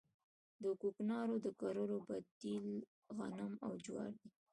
د کوکنارو د کرلو بدیل غنم او جوار دي